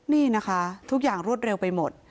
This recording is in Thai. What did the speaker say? นี่นะคะทุกอย่างรวดเร็วไปหมด